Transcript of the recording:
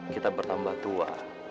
kita bertambah tua